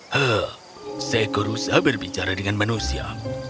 hah seekor rusa berbicara dengan manusia